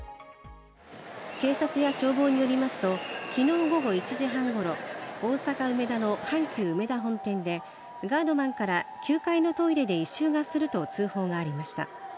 警察や消防によりますと、きのう午後１時半ごろ、大阪・梅田の阪急うめだ本店でガードマンから９階のトイレで異臭がすると通報がありました。